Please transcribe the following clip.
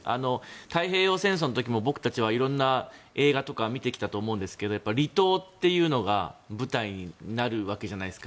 太平洋戦争の時も僕たちは色んな映画とか見てきたと思うんですが離島というのが舞台になるわけじゃないですか。